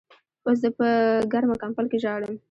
اوس زه په ګرمه کمبل کې ژاړم.